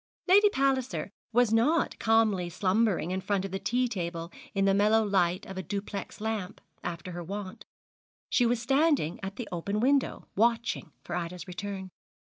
Lady Palliser was not calmly slumbering in front of the tea table, in the mellow light of a duplex lamp, after her wont. She was standing at the open window, watching for Ida's return.